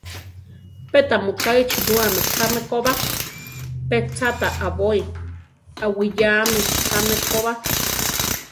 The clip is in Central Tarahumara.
Pe tamu ka ichirúame káme ko ba; pe cha ta abói aʼwiyáame káme ko ba.